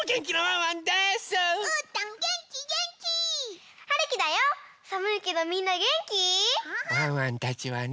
ワンワンたちはね